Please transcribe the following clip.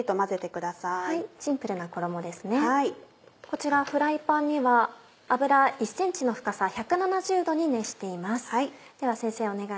こちらフライパンには油１ｃｍの深さ１７０度に熱しています。